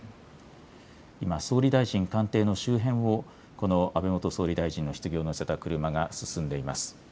今、総理大臣官邸の周辺を安倍元総理大臣のひつぎを乗せた車が進んでいます。